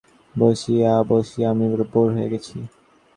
উদয়াদিত্য চারিদিকে দ্বার রুদ্ধ করিয়া ছোটো মেয়েকে কোলে লইয়া বসিয়া আছেন।